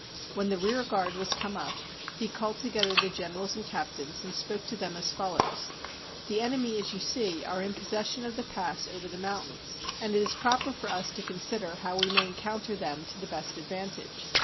When the rear guard was come up, he called together the generals and captains, and spoke to them as follows : "The enemy, as you see, are in possession of the pass over the mountains; and it is proper for us to consider how we may encounter them to the best advantage.